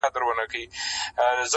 • دنظم عنوان دی قاضي او څارنوال..